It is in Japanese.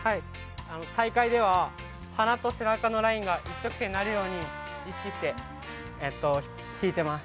大会では、鼻と背中のラインが一直線になるように意識しています。